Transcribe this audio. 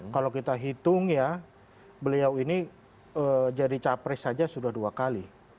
kalau kita hitung ya beliau ini jadi capres saja sudah dua kali